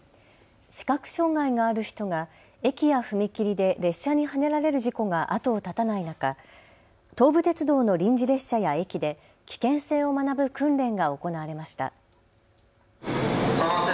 視覚障害がある人が駅や踏切で列車にはねられる事故が後を絶たない中、東武鉄道の臨時列車や駅で危険性を学ぶ訓練が行われました。